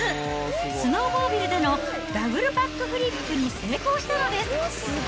スノーモービルでのダブルバックフリップに成功したのです。